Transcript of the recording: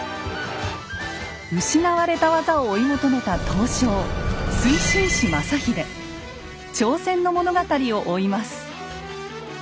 失われた技を追い求めた刀匠挑戦の物語を追います。